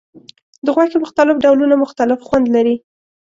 د غوښې مختلف ډولونه مختلف خوند لري.